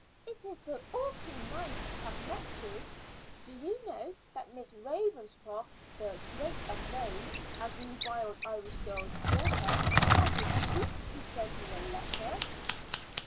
"It is so awfully nice to have met you! Do you know that Miss Ravenscroft the Great Unknown, as we Wild Irish Girls call her had the cheek to send me a letter?"